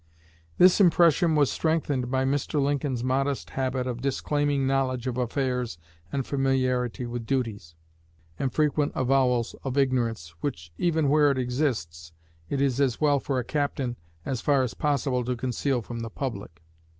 This impression was strengthened by Mr. Lincoln's modest habit of disclaiming knowledge of affairs and familiarity with duties, and frequent avowals of ignorance, which, even where it exists, it is as well for a captain as far as possible to conceal from the public.